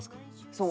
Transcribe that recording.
そう。